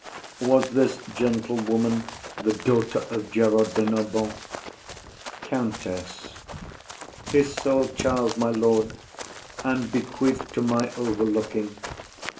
Was this gentlewoman the daughter of Gerard de Narbon? COUNTESS. His sole child, my lord, and bequeathed to my overlooking.